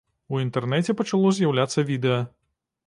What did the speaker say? У інтэрнэце пачало з'яўляцца відэа.